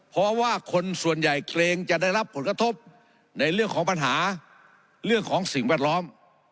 เพราะว่าคนส่วนใหญ่เกรงจะได้รับผลกระทบในเรื่องของปัญหาเรื่องของสิ่งแวดล้อม